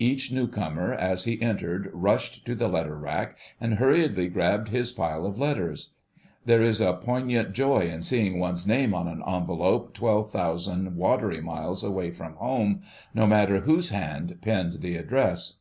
Each new comer as he entered rushed to the letter rack and hurriedly grabbed his pile of letters: there is a poignant joy in seeing one's name on an envelope twelve thousand watery miles away from home, no matter whose hand penned the address.